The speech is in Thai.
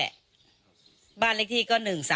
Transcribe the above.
เลขทะเบียนรถจากรยานยนต์